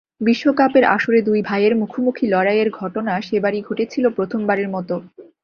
বিশ্বকাপের আসরে দুই ভাইয়ের মুখোমুখি লড়াইয়ের ঘটনা সেবারই ঘটেছিল প্রথমবারের মতো।